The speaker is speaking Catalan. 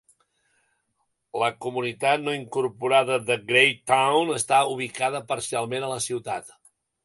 La comunitat no incorporada de Graytown està ubicada parcialment a la ciutat.